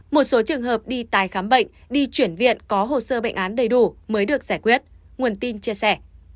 một số trường hợp đi tái khám bệnh đi chuyển viện có hồ sơ bệnh án đầy đủ mới được giải quyết nguồn tin chia sẻ